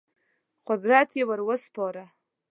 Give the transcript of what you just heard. قدرت یې ور وسپاره.